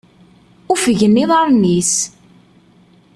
Uffgen iḍarren-is!